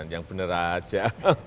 yang bener aja